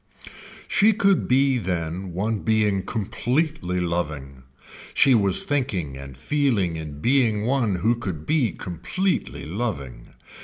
She could be then one being completely loving, she was thinking and feeling in being one who could be completely loving.